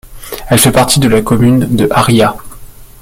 Elle fait partie de la commune de Haría.